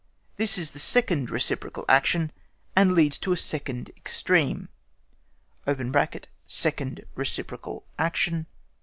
This is the second reciprocal action, and leads to a second extreme (second reciprocal action).